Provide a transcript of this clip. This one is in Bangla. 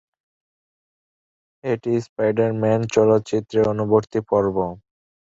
এটি "স্পাইডার-ম্যান" চলচ্চিত্রের অনুবর্তী পর্ব।